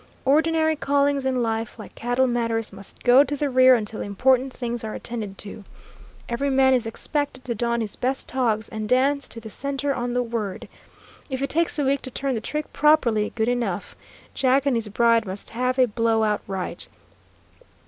Ordinary callings in life, like cattle matters, must go to the rear until important things are attended to. Every man is expected to don his best togs, and dance to the centre on the word. If it takes a week to turn the trick properly, good enough. Jack and his bride must have a blow out right.